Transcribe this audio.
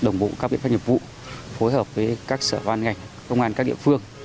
đồng bộ các biện pháp nhập vụ phối hợp với các sở văn ngành công an các địa phương